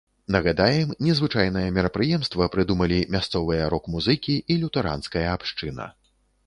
Нагадаем, незвычайнае мерапрыемства прыдумалі мясцовыя рок-музыкі і лютэранская абшчына.